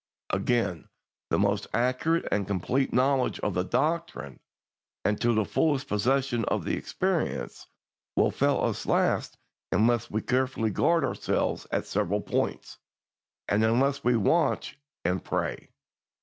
Again, the most accurate and complete knowledge of the doctrine, and the fullest possession of the experience, will fail us at last unless we carefully guard ourselves at several points, and unless we watch and pray.